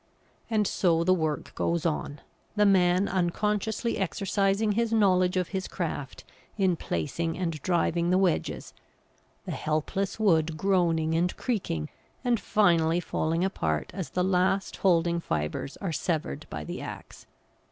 And so the work goes on, the man unconsciously exercising his knowledge of his craft in placing and driving the wedges, the helpless wood groaning and creaking and finally falling apart as the last holding fibres are severed by the axe.